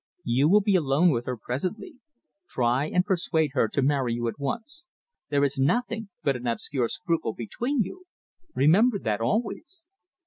"You will be alone with her presently. Try and persuade her to marry you at once. There is nothing but an absurd scruple between you! Remember that always."